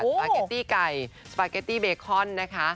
ปาเกตตี้ไก่สปาเกตตี้เบคอนนะคะ